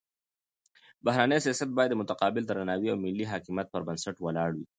بهرنی سیاست باید د متقابل درناوي او ملي حاکمیت پر بنسټ ولاړ وي.